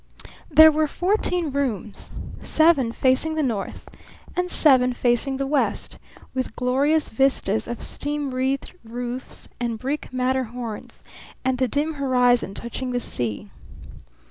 There were fourteen rooms, seven facing the north and seven facing the west, with glorious vistas of steam wreathed roofs and brick Matterhorns and the dim horizon touching the sea.